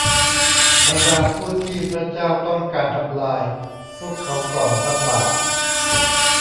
บรรดาผู้ที่พระเจ้าต้องการทำลายพวกเขาก่อนทำบาป